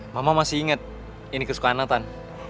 mama masih inget ini kesukaan nathan